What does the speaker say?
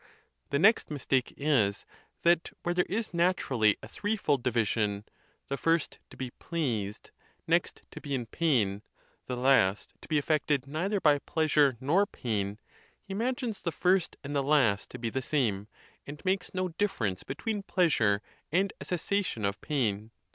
The next mistake is, that where there is natu rally a threefold division—the first, to be pleased; next, to be in pain; the last, to be affected neither by pleasure nor pain—he imagines the first and the last to be the same, and makes no difference between pleasure and a cessation of pain.